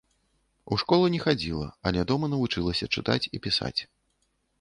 У школу не хадзіла, але дома навучылася чытаць і пісаць.